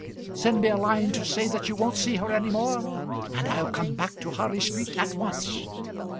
Send me a line to say that you won't see her any more, and I'll come back to Harley Street at once.